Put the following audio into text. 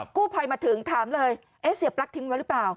กู้ภัยมาถึงถามเลยเอ๊ะเสียปลั๊กทิ้งไว้หรือเปล่า